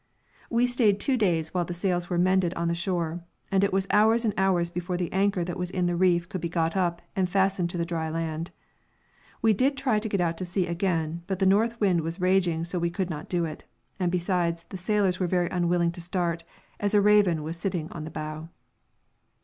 We stayed two days while the sails were mended on the shore, and it was hours and hours before the anchor that was in the reef could be got up and fastened to the dry land. We did try to get out to sea again, but the north wind was raging so we could not do it, and, besides, the sailors were very unwilling to start, as a raven was sitting on the bow.